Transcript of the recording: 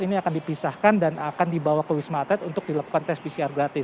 ini akan dipisahkan dan akan dibawa ke wisma atlet untuk dilakukan tes pcr gratis